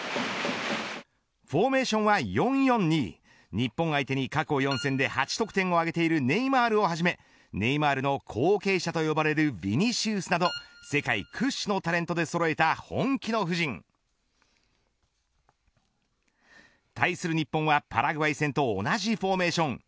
フォーメーションは４‐４‐２日本を相手に過去４戦で８得点を挙げているネイマールをはじめネイマールの後継者ともいわれるヴィニシウスなど世界屈指のタレントでそろえた本気の布陣対する日本はパラグアイ戦と同じフォーメーション。